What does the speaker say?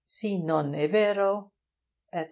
Si non e' vero, etc.